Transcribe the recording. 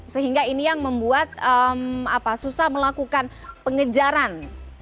sehingga ini yang membuat susah melakukan pengejaran